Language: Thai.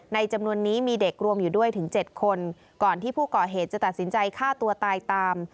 จำนวนนี้มีเด็กรวมอยู่ด้วยถึง๗คนก่อนที่ผู้ก่อเหตุจะตัดสินใจฆ่าตัวตายตาม